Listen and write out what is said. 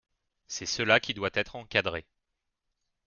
C’est cela qui doit être encadré.